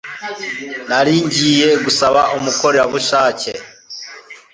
Nari ngiye gusaba umukorerabushake.